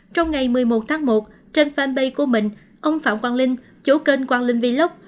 trong ngày một mươi một tháng một trên fanpage của mình ông phạm quang linh chỗ kênh quang linh vlock